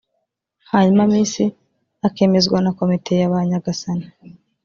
hanyuma Miss akemezwa na komite y’Abanyagasani